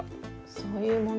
そういうもの。